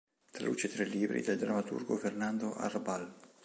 Traduce tre libri del drammaturgo Fernando Arrabal.